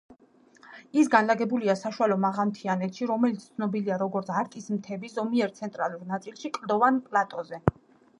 ის განლაგებულია საშუალო მაღალმთიანეთში, რომელიც ცნობილია, როგორც არტის მთები, ზომიერ ცენტრალურ ნაწილში, კლდოვან პლატოზე.